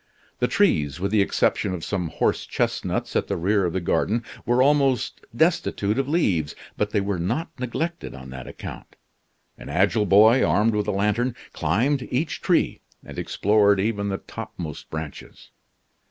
The trees, with the exception of some horse chestnuts at the rear of the garden, were almost destitute of leaves, but they were not neglected on that account. An agile boy, armed with a lantern, climbed each tree, and explored even the topmost branches.